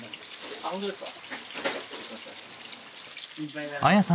あホントですか？